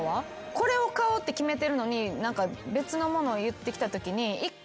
これを買おうって決めてるのに別のものを言ってきたときに。